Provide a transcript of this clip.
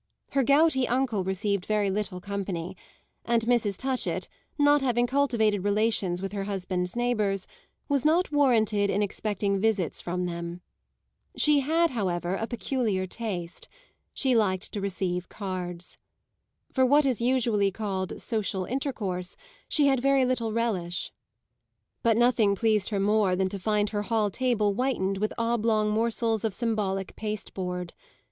Her gouty uncle received very little company, and Mrs. Touchett, not having cultivated relations with her husband's neighbours, was not warranted in expecting visits from them. She had, however, a peculiar taste; she liked to receive cards. For what is usually called social intercourse she had very little relish; but nothing pleased her more than to find her hall table whitened with oblong morsels of symbolic pasteboard.